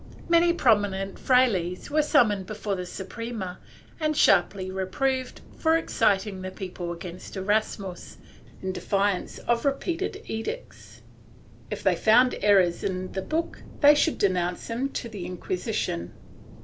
Many prominent frailes were summoned before the Suprema and sharply reproved for exciting the people against Erasmus, in defiance of repeated edicts; if they found errors in the book, they should denounce them to the Inquisition.